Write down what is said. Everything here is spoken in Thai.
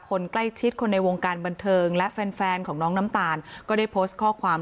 คนใกล้ชิดคนในวงการบันเทิงและแฟนแฟนของน้องน้ำตาลก็ได้โพสต์ข้อความ